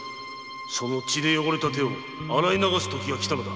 その血で汚れた手を洗い流すときがきたのだ！